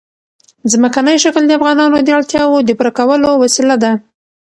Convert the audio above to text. ځمکنی شکل د افغانانو د اړتیاوو د پوره کولو وسیله ده.